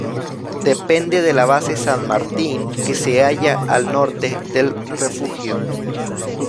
Depende de la base San Martín que se halla al norte del refugio.